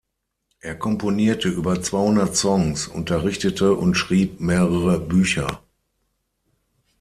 Er komponierte über zweihundert Songs, unterrichtete und schrieb mehrere Bücher.